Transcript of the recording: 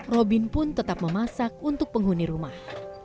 robin pun tetap memasak untuk penghuni rumah